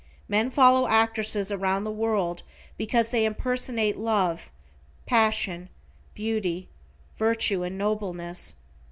Men follow actresses around the world because they impersonate love, passion, beauty, virtue and nobleness.